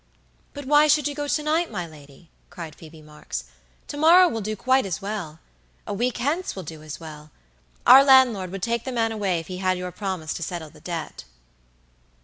"But why should you go to night, my lady?" cried Phoebe Marks. "To morrow will do quite as well. A week hence will do as well. Our landlord would take the man away if he had your promise to settle the debt."